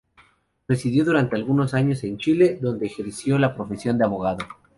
Residió durante algunos años en Chile, donde ejerció la profesión de abogado.